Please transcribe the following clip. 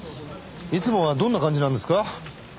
いつもはどんな感じなんですか？